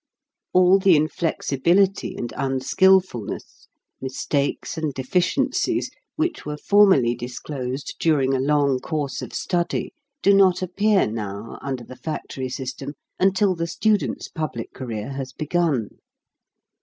All the inflexibility and unskilfulness, mis takes and deficiencies, which were formerly disclosed during a long course of study, do not appear now, under the factory system, until the student's public career has begun.